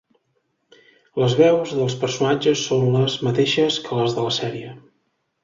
Les veus dels personatges són les mateixes que les de la sèrie.